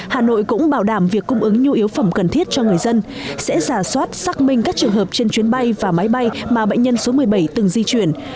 hà nội cũng bảo đảm việc cung ứng nhu yếu phẩm cần thiết cho người dân sẽ giả soát xác minh các trường hợp trên chuyến bay và máy bay mà bệnh nhân số một mươi bảy từng di chuyển